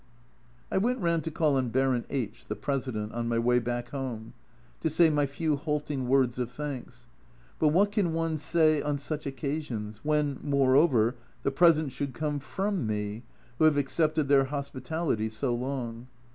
" I went round to call on Baron H (the President) on my way back home, to say my few halting words of thanks but what can one say on such occasions, when, moreover, the present should come from me, who have accepted their hospitality so long?